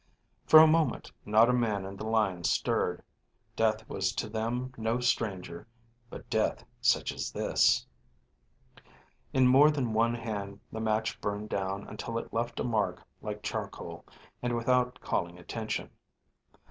For a moment not a man in the line stirred. Death was to them no stranger; but death such as this In more than one hand the match burned down until it left a mark like charcoal, and without calling attention.